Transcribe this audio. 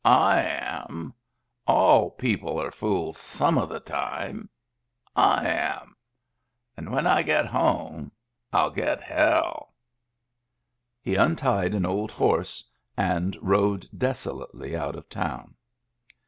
I am. All people are fools some of the time. I am. And when I get home ni get hell." He untied an old horse and rode desolately out of town.